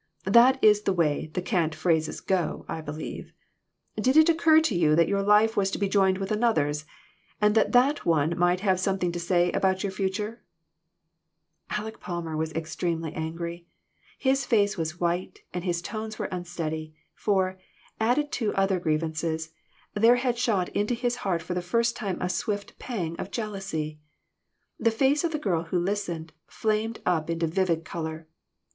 That is the way the cant phrases go, I believe. Did it occur to you that your life was to be joined with another's, and that that . one might have some thing to say about your future ?" Aleck Palmer was extremely angry. His face was white, and his tones were unsteady, for, added to other grievances, there had shot into his heart for the first time a swift pang of jealousy. The face of the girl who listened, flamed up into vivid color.